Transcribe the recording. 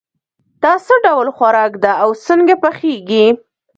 دا څه ډول خوراک ده او څنګه پخیږي